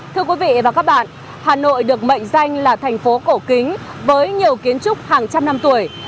thưa quý vị và các bạn hà nội được mệnh danh là thành phố cổ kính với nhiều kiến trúc hàng trăm năm tuổi